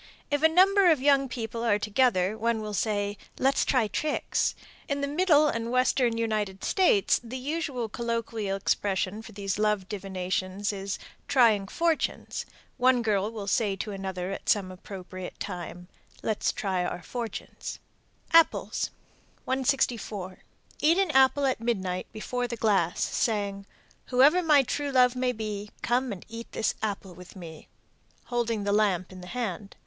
If a number of young people are together, one will say, "Let's try tricks." In the Middle and Western United States the usual colloquial expression for these love divinations is "trying fortunes." One girl will say to another at some appropriate time, "Let's try our fortunes." APPLES. 164. Eat an apple at midnight before the glass, saying, Whoever my true love may be, Come and eat this apple with me, holding the lamp in the hand.